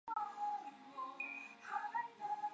内布拉斯加州第二国会选区全部及萨皮郡郊区。